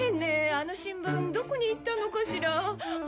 あの新聞どこに行ったのかしら？